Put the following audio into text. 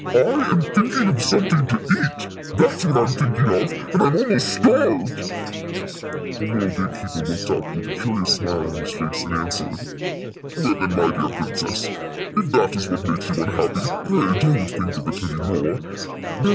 "I am thinking of something to eat that's what I'm thinking of, and I'm almost starved." The little gate keeper looked up, with a curious smile on his face, and answered: "Well, then, my dear princess, if that is what makes you unhappy, pray don't think of it any more.